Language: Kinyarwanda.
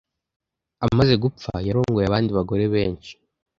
Amaze gupfa yarongoye abandi bagore benshi